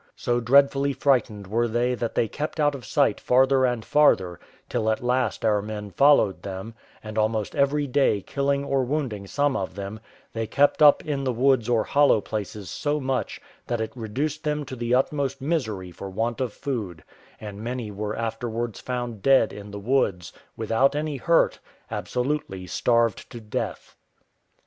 So dreadfully frightened were they that they kept out of sight farther and farther; till at last our men followed them, and almost every day killing or wounding some of them, they kept up in the woods or hollow places so much, that it reduced them to the utmost misery for want of food; and many were afterwards found dead in the woods, without any hurt, absolutely starved to death.